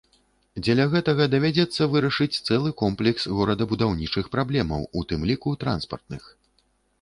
Дзеля гэтага давядзецца вырашыць цэлы комплекс горадабудаўнічых праблемаў, у тым ліку транспартных.